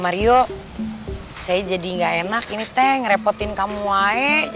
mario saya jadi gak enak ini teh ngerepotin kamu aja jadi suruh kasihan aku aja